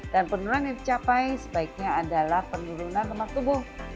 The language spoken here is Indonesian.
dan penurunan yang dicapai sebaiknya adalah penurunan lemak tubuh